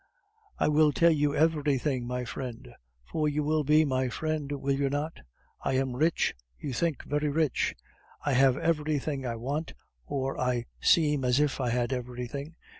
"I will tell you everything, my friend. For you will be my friend, will you not? I am rich, you think, very rich; I have everything I want, or I seem as if I had everything.